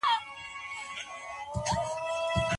خارښ په ډېر ورو سرعت لېږدول کېږي.